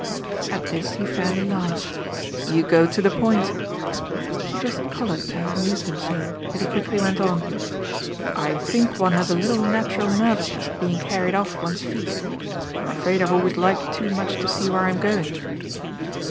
At this he fairly laughed. "You go to the point!" She just coloured to have amused him so, but he quickly went on: "I think one has a little natural nervousness at being carried off one's feet. I'm afraid I've always liked too much to see where I'm going."